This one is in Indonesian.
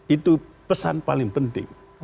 itu pesan paling penting